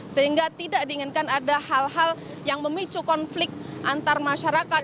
sehingga tidak diinginkan ada hal hal yang memicu konflik antar masyarakat